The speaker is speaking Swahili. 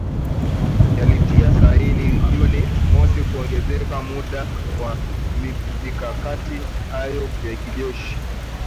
yalitia saini Juni mosi kuongeza muda wa mikakati yao ya kijeshi